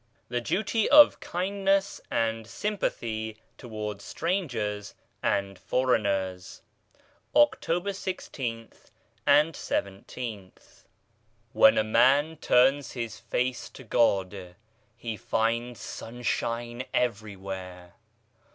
THE DUTY OF KINDNESS AND SYMPATHY TOWARDS STRANGERS AND FOREIGNERS October i6th and ijth. EN a man turns his face to God he finds sun shine everywhere.